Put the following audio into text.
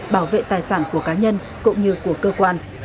bảo vệ tài sản của cá nhân cũng như của cơ quan